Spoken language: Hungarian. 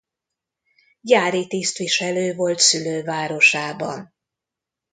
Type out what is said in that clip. Gyári tisztviselő volt szülővárosában.